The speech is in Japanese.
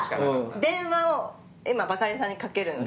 電話を今バカリさんにかけるので。